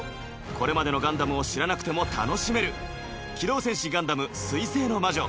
これまでの「ガンダム」を知らなくても楽しめる「機動戦士ガンダム水星の魔女」